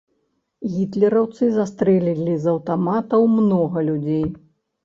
Гітлераўцы застрэлілі з аўтаматаў многа людзей.